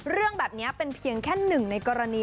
เรื่องแบบนี้เป็นเพียงแค่หนึ่งในกรณี